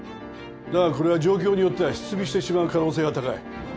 だがこれは状況によっては失尾してしまう可能性が高い。